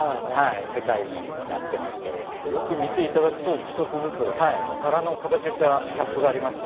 よく見ていただくと１つずつバラの形をしたキャップがありまして。